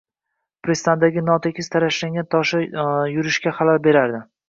Pristandagi notekis tarashlangan toshlar yurishga xalal berardi